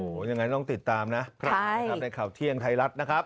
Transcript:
อืมอย่างนั้นต้องติดตามนะในข่าวเที่ยงไทยรัฐนะครับ